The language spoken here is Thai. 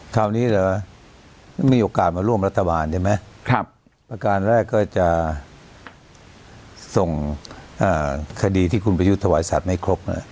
คราวนี้เหรอมีโอกาสมาร่วมรัฐบาลใช่ไหมประการแรกก็จะส่งคดีที่คุณประยุทธ์ถวายสัตว์ไม่ครบ